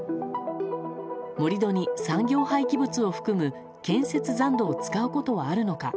盛り土に産業廃棄物を含む建設残土を使うことはあるのか。